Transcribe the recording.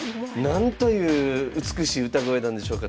なんという美しい歌声なんでしょうか。